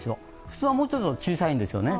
普通はもうちょっと小さいんですよね。